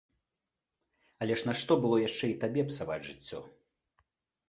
Але ж нашто было яшчэ і табе псаваць жыццё?